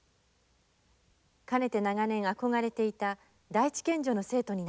かねて長年憧れていた第一県女の生徒になったのだ。